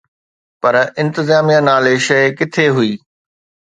پر انتظاميا نالي شيءِ ڪٿي هئي؟